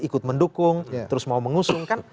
ikut mendukung terus mau mengusung kan